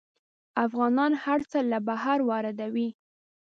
افغانان هر څه له بهر واردوي.